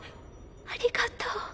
ありがとう。